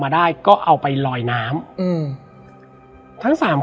และวันนี้แขกรับเชิญที่จะมาเชิญที่เรา